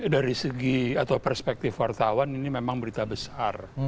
dari segi atau perspektif wartawan ini memang berita besar